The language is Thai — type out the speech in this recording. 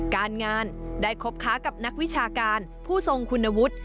การงานได้คบค้ากับนักวิชาการผู้ทรงคุณวุฒิ